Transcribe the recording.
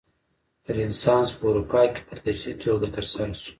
رنسانس په اروپا کې په تدریجي توګه ترسره شو.